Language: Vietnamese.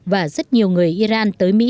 và rất nhiều người iran tới mỹ